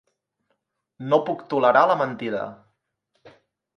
No puc tolerar la mentida.